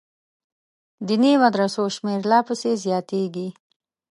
دیني مدرسو شمېر لا پسې زیاتېږي.